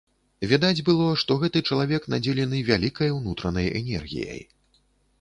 Відаць было, што гэты чалавек надзелены вялікай унутранай энергіяй.